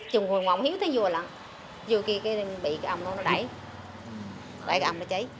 chừng hồi mộng hiếu tháng vô là vô kia bị cái ống đó nó đẩy đẩy cái ống nó cháy